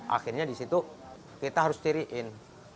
akhirnya di situ kita harus ciriin